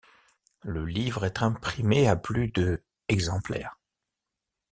Le livre est imprimé à plus de exemplaires.